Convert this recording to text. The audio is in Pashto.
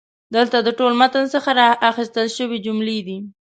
دلته د ټول متن څخه را ایستل شوي جملې دي: